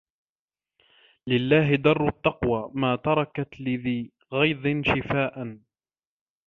لِلَّهِ دَرُّ التَّقْوَى مَا تَرَكَتْ لِذِي غَيْظٍ شِفَاءً